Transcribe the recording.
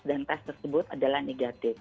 dan tes tersebut adalah negatif